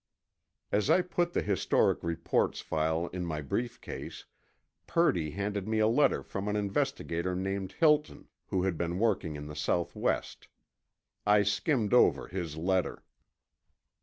As I put the historic reports file in my brief case, Purdy handed me a letter from an investigator named Hilton, who had been working in the Southwest. I skimmed over his letter.